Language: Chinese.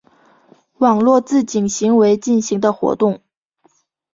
网络自警行为进行的活动。